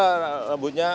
pak prabowo juga rambutnya